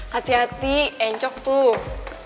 hati hati encok tuh